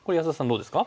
どうですか？